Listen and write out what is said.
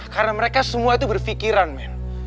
karena mereka semua itu berpikiran men